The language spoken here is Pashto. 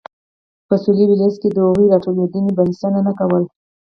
په سوېلي ویلز کې د هغوی راټولېدنې بسنه نه کوله.